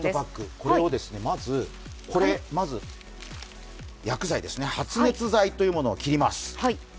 これ、まず発熱剤というものを切ります。